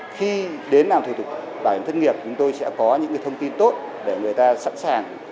khi đến làm thủ tục bảo hiểm thất nghiệp chúng tôi sẽ có những thông tin tốt để người ta sẵn sàng